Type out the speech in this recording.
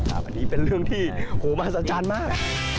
อันนี้เป็นเรื่องที่โหมาสัญญาณมาก